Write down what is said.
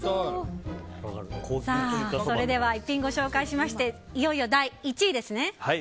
それでは逸品ご紹介しましていよいよ第１位ですね。